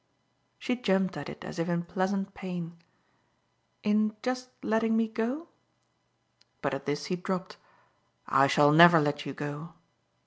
She jumped at it as if in pleasant pain. "In just letting me go ?" But at this he dropped. "I shall never let you go."